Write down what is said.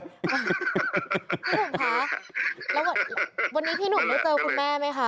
หนุ่มคะแล้ววันนี้พี่หนุ่มได้เจอคุณแม่ไหมคะ